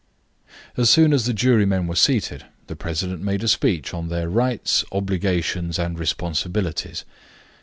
As soon as the jurymen were seated, the president made a speech on their rights, obligations, and responsibilities.